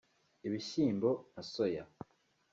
ibishyimbo na soya